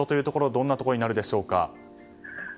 どんなところになるでしょうか。